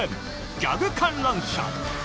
ギャグ観覧車。